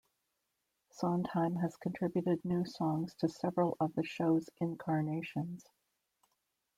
Sondheim has contributed new songs to several of the show's incarnations.